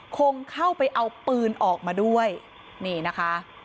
คงเข้าไปเอาปืนออกมาด้วยนี่นะคะ